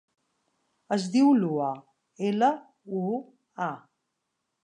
Es diu Lua: ela, u, a.